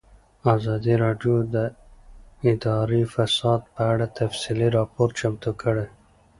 ازادي راډیو د اداري فساد په اړه تفصیلي راپور چمتو کړی.